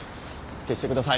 消してください！